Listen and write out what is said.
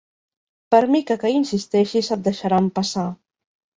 Per mica que hi insisteixis et deixaran passar.